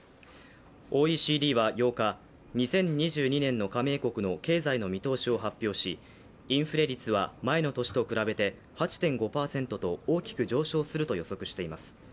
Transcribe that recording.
ＯＥＣＤは８日、２０２２年の加盟国の経済の見通しを発表しインフレ率は前の年と比べて８．５％と大きく上昇すると予測しています。